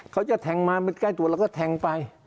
เขาจะแทงมาใกล้ตัวเราก็แทงไป